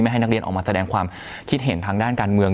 ให้นักเรียนออกมาแสดงความคิดเห็นทางด้านการเมือง